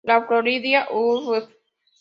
La Florida, Urb.